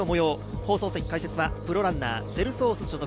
放送席解説はプロランナー、セルソース所属